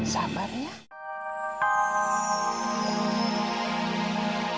kamila kamu gak salah